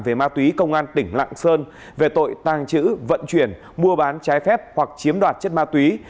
về ma túy công an tỉnh lạng sơn về tội tàng trữ vận chuyển mua bán trái phép hoặc chiếm đoạt chất ma túy